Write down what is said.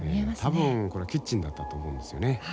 多分これキッチンだったと思うんですよね。